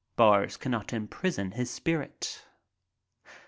Bars cannot imprison his spirit.